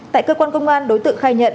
tại cơ quan công an đối tượng khai nhận